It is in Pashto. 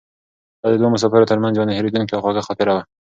دا د دوو مسافرو تر منځ یوه نه هېرېدونکې او خوږه خاطره وه.